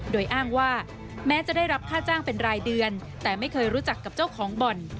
โดยอ้างว่าแม้จะได้รับค่าจ้างเป็นรายเดือนแต่ไม่เคยรู้จักกับเจ้าของบ่อน